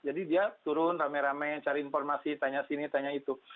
jadi dia turun rame rame cari informasi tanya sini tanya itu